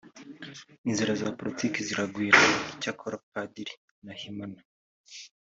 Inzira za politiki ziragwira icyakora Padiri Nahimana